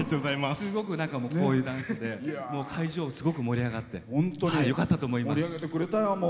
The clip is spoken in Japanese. すごくこういうダンスで会場すごく盛り上がって本当によかったと思います。